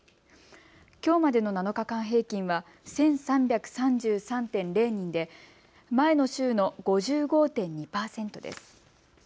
きょうまでの７日間平均は１３３３．０人で前の週の５５．２％です。